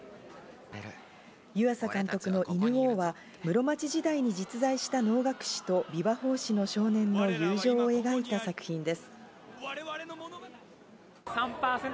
湯浅監督の『犬王』は室町時代に実在した能楽師と琵琶法師の少年の友情を描いた作品です。